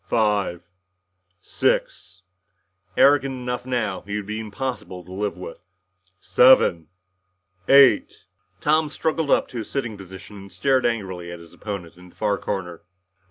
"Five six " Arrogant enough now, he would be impossible to live with. "Seven eight " Tom struggled up to a sitting position and stared angrily at his opponent in the far corner.